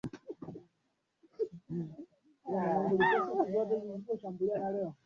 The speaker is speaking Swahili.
je tumejaribu kidogo kwa sababu